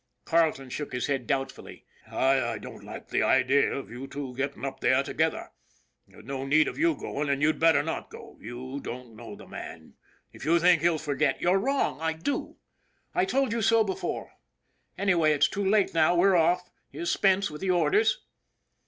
Carleton shook his head doubtfully. " I don't like the idea of you two getting up there together. There's no need of you going, and you'd better not go. You don't know the man; if you think he'll forget " "You're wrong, I do. I told you so before; any way, it's too late now we're off. Here's Spence with the orders."